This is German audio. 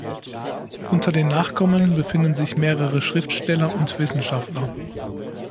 Unter den Nachkommen befinden sich mehrere Schriftsteller und Wissenschaftler.